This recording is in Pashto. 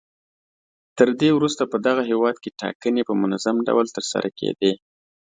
تر دې وروسته په دغه هېواد کې ټاکنې په منظم ډول ترسره کېدې.